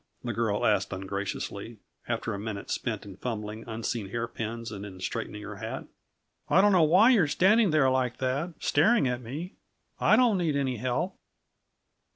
the girl asked ungraciously, after a minute spent in fumbling unseen hairpins and in straightening her hat. "I don't know why you're standing there like that, staring at me. I don't need any help."